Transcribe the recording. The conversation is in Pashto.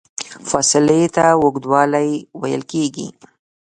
فاصلې ته اوږدوالی ویل کېږي.